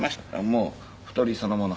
もう太りそのもの。